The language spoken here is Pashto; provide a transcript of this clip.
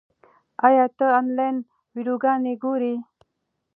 ایا ته آنلاین ویډیوګانې ګورې؟